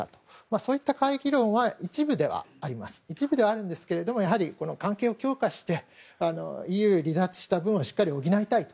そういった懐疑論は一部ではあるんですけれどもやはり関係を強化してＥＵ離脱した分をしっかり補いたいと。